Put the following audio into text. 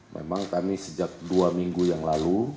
memang kami sejak dua minggu yang lalu